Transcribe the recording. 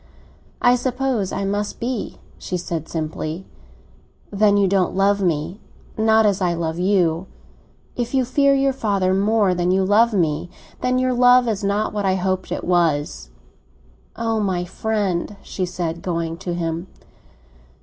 "I suppose I must be," she said simply. "Then you don't love me—not as I love you. If you fear your father more than you love me, then your love is not what I hoped it was." "Ah, my friend!" she said, going to him.